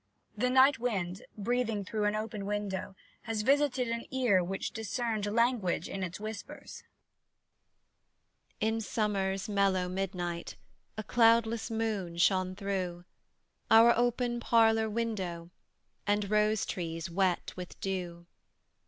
"The Night Wind," breathing through an open window, has visited an ear which discerned language in its whispers. THE NIGHT WIND. In summer's mellow midnight, A cloudless moon shone through Our open parlour window, And rose trees wet with dew.